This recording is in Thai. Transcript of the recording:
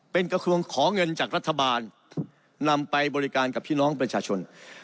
เป็นกระทรวงขอเงินจากรัฐบาลนำไปบริการกับพี่น้องประชาชน